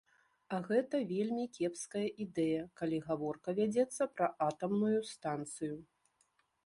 А гэта вельмі кепская ідэя, калі гаворка вядзецца пра атамную станцыю.